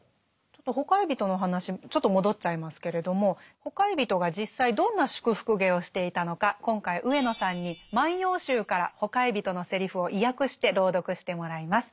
ちょっとほかひびとの話ちょっと戻っちゃいますけれどもほかひびとが実際どんな祝福芸をしていたのか今回上野さんに「万葉集」からほかひびとのセリフを意訳して朗読してもらいます。